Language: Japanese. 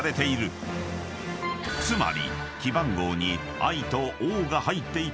［つまり］